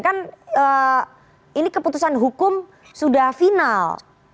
kan ini keputusan hukum sudah final